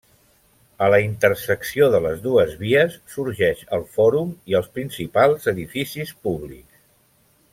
A la intersecció de les dues vies sorgeix el fòrum i els principals edificis públics.